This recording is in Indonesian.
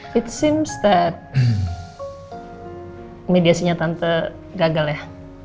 kayaknya mediasinya tante gagal ya